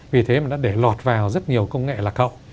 vì thế mà nó để lọt vào rất nhiều công nghệ lạc hậu